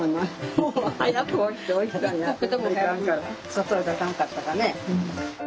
外に出さんかったらね。